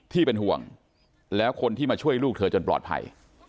ที่เป็นห่วงแล้วคนที่มาช่วยลูกเธอจนปลอดภัย